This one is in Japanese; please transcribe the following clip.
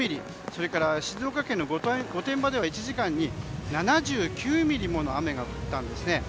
それから静岡県の御殿場では１時間に７９ミリもの雨が降ったんですね。